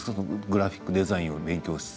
グラフィックデザインの勉強をして。